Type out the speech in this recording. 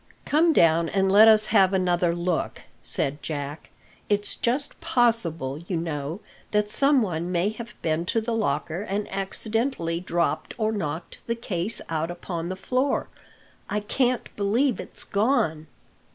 "Come down and let us have another look," said Jack. "It's just possible, you know, that some one may have been to the locker and accidentally dropped or knocked the case out upon the floor. I can't believe it's gone."